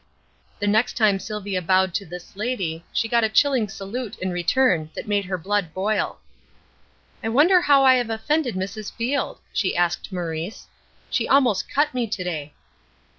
The next time Sylvia bowed to this lady, she got a chilling salute in return that made her blood boil. "I wonder how I have offended Mrs. Field?" she asked Maurice. "She almost cut me to day."